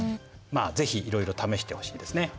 是非いろいろ試してほしいですね。